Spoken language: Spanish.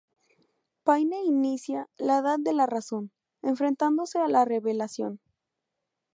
Paine inicia "La edad de la razón" enfrentándose a la revelación.